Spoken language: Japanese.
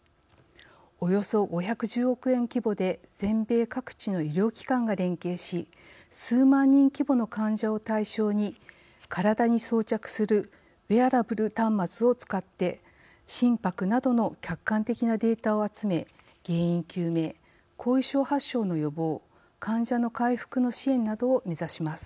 およそ５１０億円規模で全米各地の医療機関が連携し数万人規模の患者を対象に体に装着するウェアラブル端末を使って心拍などの客観的なデータを集め原因究明後遺症発症の予防患者の回復の支援などを目指します。